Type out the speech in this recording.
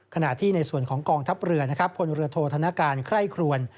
ขณะที่ในส่วนของกองทัพเรือนะครับพลเรือโทษธนการไคร่ครวน